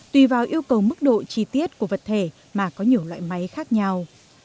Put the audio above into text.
tùy vào yêu cầu mức độ chi tiết của vật thể mà có nhiều loại máy khác nhau